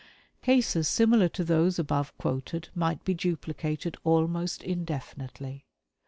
Cases similar to those above quoted might be duplicated almost indefinitely.